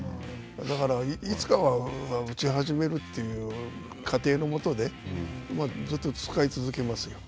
だから、いつかは打ち始めるという仮定のもとで、ずっと使い続けますよ。